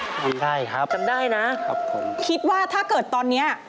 จำได้ครับครับผมจำได้นะคิดว่าถ้าเกิดตอนนี้